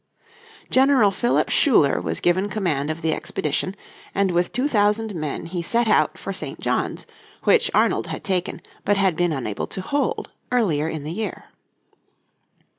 General Philip Schuyler was given command of the expedition, and with two thousand men he set out for St. John's, which Arnold had taken, but had been unable to hold, earlier in the year.